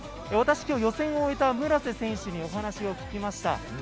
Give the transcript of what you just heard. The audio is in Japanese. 私、今日予選を終えた村瀬選手にお話を聞きました。